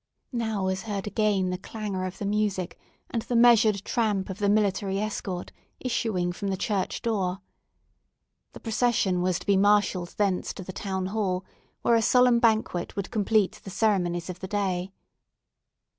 Now was heard again the clamour of the music, and the measured tramp of the military escort issuing from the church door. The procession was to be marshalled thence to the town hall, where a solemn banquet would complete the ceremonies of the day.